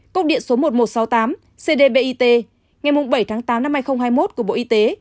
cốc điện số một nghìn một trăm sáu mươi tám cdbit ngày bảy tám hai nghìn hai mươi một của bộ y tế